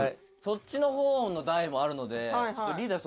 「そっちの方の台もあるのでリーダー